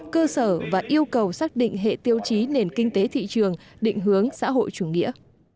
cơ sở và yêu cầu xác định hệ tiêu chí nền kinh tế thị trường định hướng xã hội chủ nghĩa